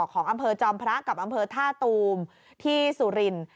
ของอำเภอจอมพระกับอำเภอท่าตูมที่สุรินทร์